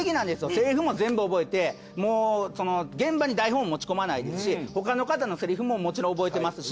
セリフも全部覚えて現場に台本持ち込まないですし他の方のセリフももちろん覚えてますし。